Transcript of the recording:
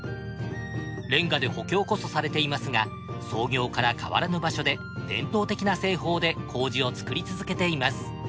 レンガで補強こそされていますが創業から変わらぬ場所で伝統的な製法で糀を作り続けています。